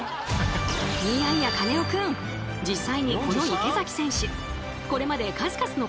いやいやカネオくん実際にこの池崎選手